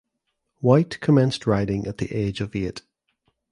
White commenced riding at the age of eight.